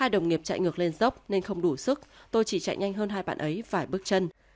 hai đồng nghiệp chạy ngược lên dốc nên không đủ sức tôi chỉ chạy nhanh hơn hai bạn ấy phải bước chân